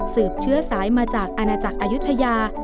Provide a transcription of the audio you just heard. เชื้อสายมาจากอาณาจักรอายุทยา